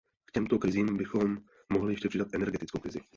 K těmto krizím bychom mohli ještě přidat energetickou krizi.